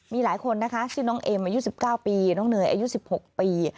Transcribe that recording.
มีหลายคนนะคะชื่อน้องเอมอายุ๑๙ปีน้องเนยอายุ๑๖ปี